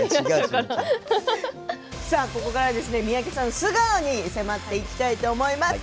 ここからは三宅さんの素顔に迫っていきたいと思います。